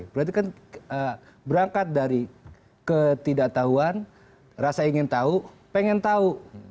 berarti kan berangkat dari ketidaktahuan rasa ingin tahu pengen tahu